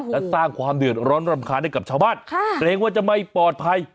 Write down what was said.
และสร้างความเดือดร้อนรำคาญให้กับชาวบ้านเกรงว่าจะไม่ปลอดภัย